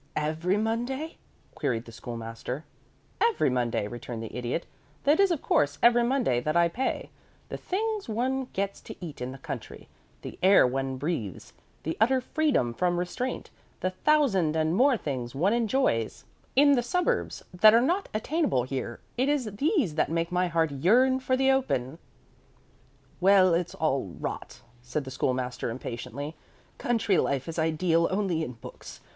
"Every Monday?" queried the School master. "Every Monday," returned the Idiot. "That is, of course, every Monday that I pay. The things one gets to eat in the country, the air one breathes, the utter freedom from restraint, the thousand and more things one enjoys in the suburbs that are not attainable here it is these that make my heart yearn for the open." [Illustration: "'A LITTLE GARDEN OF MY OWN, WHERE I COULD RAISE AN OCCASIONAL CAN OF TOMATOES'"] "Well, it's all rot," said the School master, impatiently. "Country life is ideal only in books.